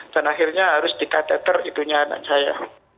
dan akhirnya harus dikatheter itunya anak saya